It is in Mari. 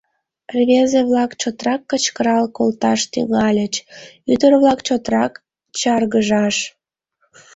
Рвезе-влак чотрак кычкырал колташ тӱҥальыч, ӱдыр-влак чотрак чаргыжаш.